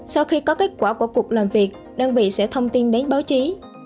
sau khi có kết quả của cuộc làm việc đơn vị sẽ thông tin đến báo chí